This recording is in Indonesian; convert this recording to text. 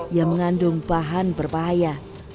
yang mengandung bahan berbahaya